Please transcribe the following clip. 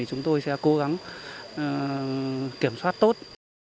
chúng tôi sẽ cố gắng kiểm soát tốt